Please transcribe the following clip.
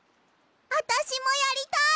あたしもやりたい！